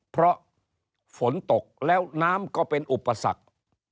เพราะฝนตกแล้วน้ำก็เป็นอุปสรรค